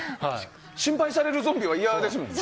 心配されるゾンビは嫌ですもんね。